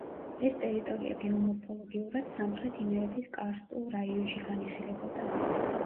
ეს ტერიტორია გეომორფოლოგიურად სამხრეთ იმერეთის კარსტულ რაიონში განიხილებოდა.